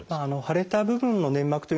腫れた部分の粘膜というのはですね